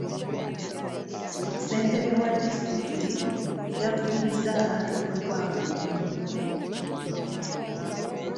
Ssentebe wa disitulikiti yakubirizza abantu okuba obumu.